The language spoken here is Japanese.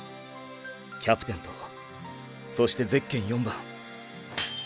キャプテンとそしてゼッケン４番。